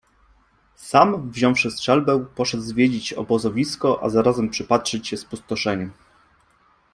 Sam, wziąwszy strzelbę, poszedł zwiedzić obozowisko, a zarazem przypatrzyć się spustoszeniu.